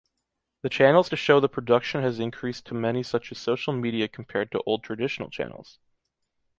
The channels to show the production has increased to many such as social media compared to old traditional channels.